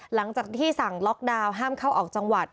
หลังจากที่สั่งล็อกดาวน์ห้ามเข้าออกจังหวัด